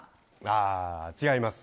あ違います。